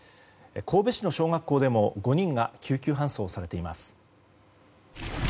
神戸市の小学校でも５人が救急搬送されています。